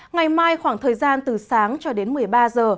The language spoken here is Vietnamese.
ngày mai khoảng thời gian từ sáng cho đến một mươi ba giờ